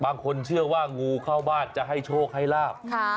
บางคนเชื่อว่างูเข้าบ้านจะให้โชคให้ลาบ